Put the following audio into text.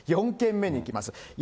４軒目に行きます。